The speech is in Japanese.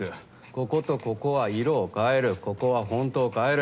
こことここは色を変えるここはフォントを変える。